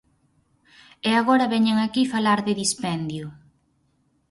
E agora veñen aquí falar de dispendio.